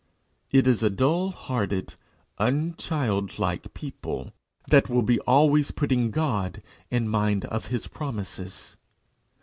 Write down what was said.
It is a dull hearted, unchildlike people that will be always putting God in mind of his promises.